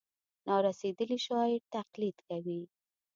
نا رسېدلي شاعر تقلید کوي.